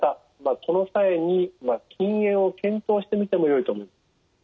この際に禁煙を検討してみてもよいと思います。